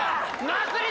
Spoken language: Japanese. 祭り！